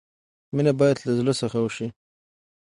مینه باید لۀ زړۀ څخه وشي.